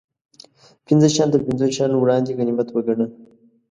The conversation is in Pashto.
پنځه شیان تر پنځو شیانو وړاندې غنیمت و ګڼه